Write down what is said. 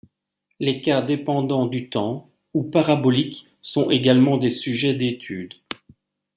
Les cas dépendant du temps, ou parabolique, sont également des sujets d'étude.